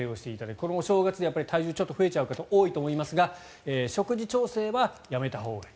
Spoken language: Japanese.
このお正月体重が増えちゃう方は多いと思いますが食事制限はやめたほうがいい。